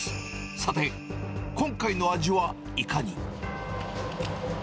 さて、今回の味はいかに。